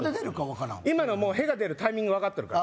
今のもう屁が出るタイミング分かっとるから